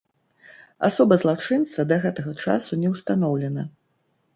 Асоба злачынца да гэтага часу не ўстаноўлена.